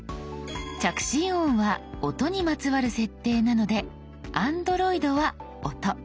着信音は音にまつわる設定なのでＡｎｄｒｏｉｄは「音」